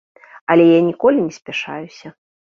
Але я ніколі не спяшаюся.